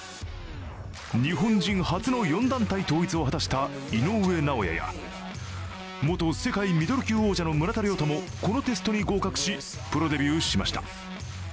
日本人初の４団体統一を果たした井上尚弥や元世界ミドル級王者の村田諒太もこのテストに合格し、プロデビューしました。